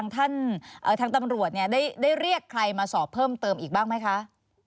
ทางตำรวจได้เรียกใครมาสอบเพิ่มเติมอีกบ้างไหมคะ